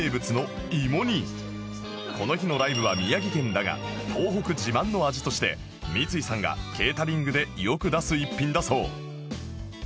この日のライブは宮城県だが東北自慢の味として三井さんがケータリングでよく出す一品だそう